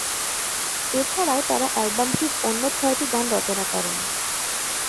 এছাড়াও তারা অ্যালবামটির অন্য ছয়টি গান রচনা করেন।